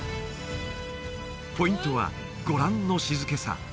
ポイントはご覧の静けさ